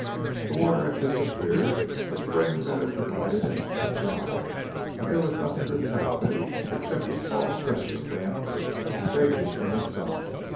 The water had disappeared; the spring that had provided it had dried and there was nothing to tell of it except a small stretch of damp earth, baking in the sun.